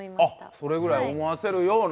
それぐらい思わせるような。